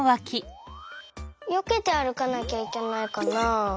よけて歩かなきゃいけないかな？